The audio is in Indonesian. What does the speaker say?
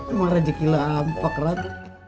emang rezeki lampak rat